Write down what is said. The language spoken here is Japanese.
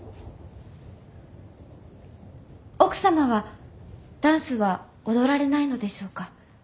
奥様はダンスは踊られないのでしょうか？